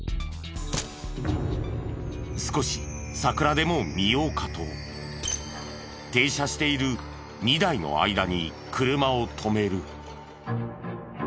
少し桜でも見ようかと停車している２台の間に車を止める。